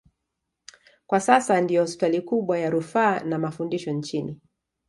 Kwa sasa ndiyo hospitali kubwa ya rufaa na mafundisho nchini.